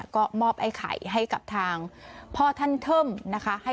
ก็มอบไอ้ไข่ให้กับทางพ่อท่านเทิมนะคะ